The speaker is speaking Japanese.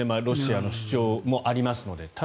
ロシアの主張もありますので。